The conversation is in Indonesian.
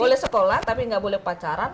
boleh sekolah tapi nggak boleh pacaran